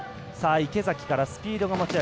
池崎スピードが持ち味。